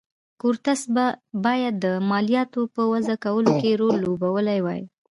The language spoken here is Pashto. کورتس باید د مالیاتو په وضعه کولو کې رول لوبولی وای.